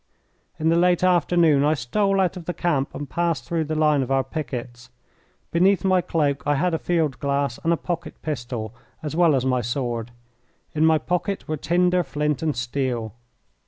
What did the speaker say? In the late afternoon I stole out of the camp and passed through the line of our pickets. Beneath my cloak I had a field glass and a pocket pistol, as well as my sword. In my pocket were tinder, flint, and steel.